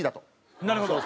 なるほど。